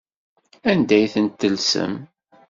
Anda ay ten-tellsem?